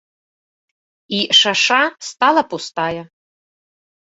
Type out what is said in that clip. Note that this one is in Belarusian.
І шаша стала пустая.